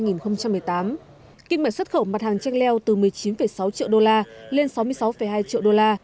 kinh mệnh xuất khẩu mặt hàng chanh leo từ một mươi chín sáu triệu đô la lên sáu mươi sáu hai triệu đô la